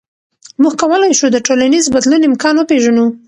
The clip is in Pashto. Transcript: موږ کولی شو د ټولنیز بدلون امکان وپېژنو.